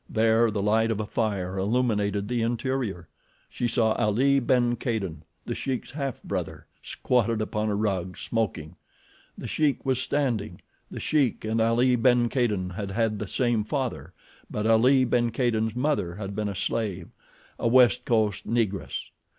There the light of a fire illuminated the interior. She saw Ali ben Kadin, The Sheik's half brother, squatted upon a rug, smoking. The Sheik was standing. The Sheik and Ali ben Kadin had had the same father, but Ali ben Kadin's mother had been a slave—a West Coast Negress.